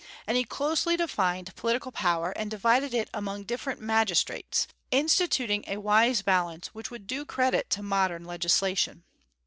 And he closely defined political power, and divided it among different magistrates, instituting a wise balance which would do credit to modern legislation.